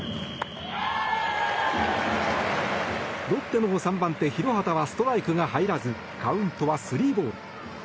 ロッテの３番手、廣畑はストライクが入らずカウントは３ボール。